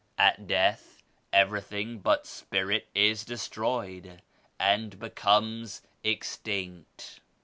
At death everything but Spirit is destroyed and becomes extinct."